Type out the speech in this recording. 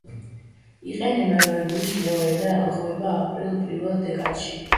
იყინება ნოემბრის მეორე და ლღვება აპრილი პირველ დეკადაში.